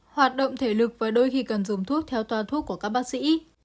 hoạt động thể lực và đôi khi cần dùng thuốc theo toa thuốc của các bác sĩ